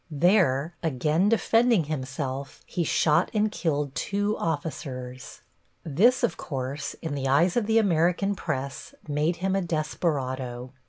There, again defending himself, he shot and killed two officers. This, of course, in the eyes of the American press, made him a desperado.